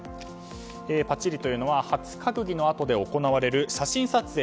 パチリというのは初閣議の後で行われる写真撮影。